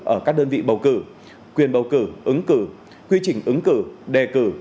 ở các đơn vị bầu cử quyền bầu cử ứng cử quy trình ứng cử đề cử